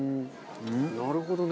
なるほどね。